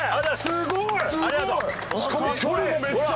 すごい！しかも距離もめっちゃ。